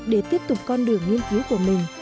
để tiếp tục con đường nghiên cứu của mình